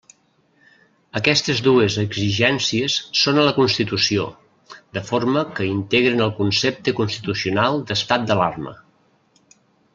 Aquestes dues exigències són a la Constitució, de forma que integren el concepte constitucional d'estat d'alarma.